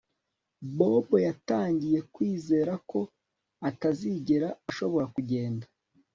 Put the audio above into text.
Bobo yatangiye kwizera ko atazigera ashobora kugenda